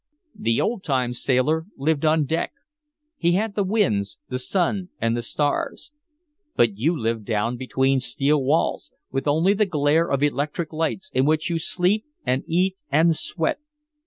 "The old time sailor lived on deck. He had the winds, the sun and the stars. But you live down between steel walls with only the glare of electric lights in which you sleep and eat and sweat.